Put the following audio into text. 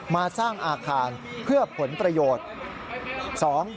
มาสร้างอาคารเพื่อผลประโยชน์